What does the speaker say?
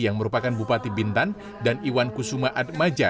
yang merupakan bupati bintan dan iwan kusuma atmaja